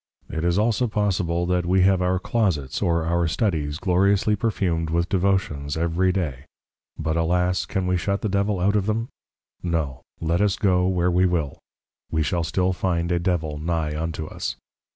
It is also possible, that we have our Closets, or our Studies, gloriously perfumed with Devotions every day; but alas, can we shut the Devil out of them? No, Let us go where we will, we shall still find a Devil nigh unto us.